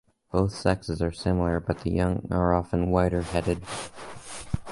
Both sexes are similar, but the young are often whiter-headed.